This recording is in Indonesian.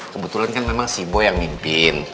kebetulan kan memang si bo yang mimpin